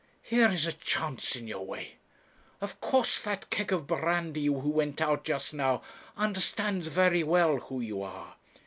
Here is a chance in your way. Of course that keg of brandy who went out just now understands very well who you are.